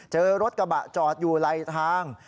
เจอรถกระบะจอดอยู่ไหลทาง